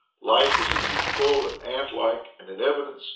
Life was indeed full and antlike and in evidence